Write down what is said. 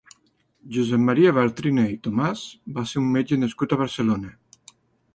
Josep Maria Bartrina i Thomàs va ser un metge nascut a Barcelona.